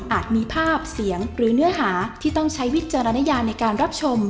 มีภาพเสียงหรือเนื้อหาที่ต้องใช้วิจารณญาในการรับชม